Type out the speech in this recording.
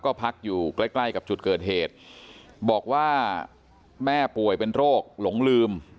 ก็พักอยู่ใกล้ใกล้กับจุดเกิดเหตุบอกว่าแม่ป่วยเป็นโรคหลงลืม